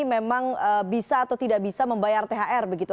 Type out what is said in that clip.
memang bisa atau tidak bisa membayar thr begitu